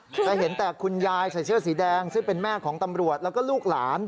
แต่เห็นแต่คุณยายใส่เสื้อสีแดงซึ่งเป็นแม่ของตำรวจแล้วก็ลูกหลาน